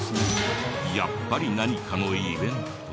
やっぱり何かのイベント。